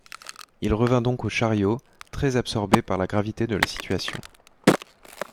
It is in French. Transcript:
Il revint donc au chariot, très-absorbé par la gravité de la situation.